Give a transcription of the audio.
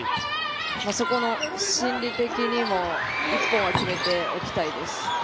そこの心理的にも１本は決めておきたいです。